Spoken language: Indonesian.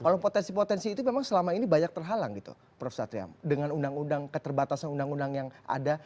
kalau potensi potensi itu memang selama ini banyak terhalang gitu prof satriam dengan undang undang keterbatasan undang undang yang ada